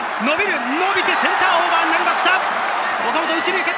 伸びてセンターオーバーになりました！